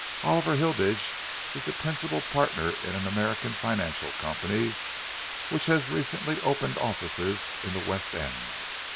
"Oliver Hilditch is the principal partner in an American financial company which has recently opened offices in the West End.